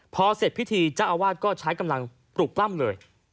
พอเสร็จพิธีเจ้าอาวาสก็ใช้กำลังปลุกปล้ำเลย